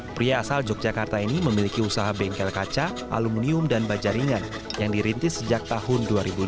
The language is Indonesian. pria asal yogyakarta ini memiliki usaha bengkel kaca aluminium dan bajaringan yang dirintis sejak tahun dua ribu lima